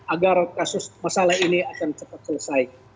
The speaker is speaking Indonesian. agar kasus masalah ini akan cepat selesai